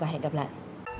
hẹn gặp lại